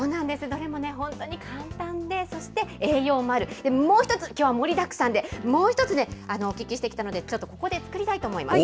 どれもね、本当に簡単で、そして栄養もある、もう一つ、きょうは盛りだくさんで、もう一つね、お聞きしてきたので、ちょっとここで作りたいと思います。